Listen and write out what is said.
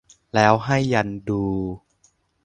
แล้วให้ยันดู